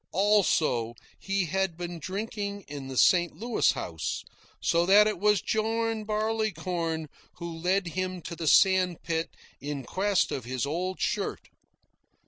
Also, he had been drinking in the St. Louis House, so that it was John Barleycorn who led him to the sandspit in quest of his old shirt.